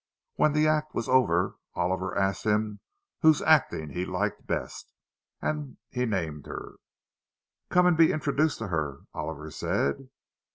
When the act was over, Oliver asked him whose acting he liked best, and he named her. "Come and be introduced to her," Oliver said.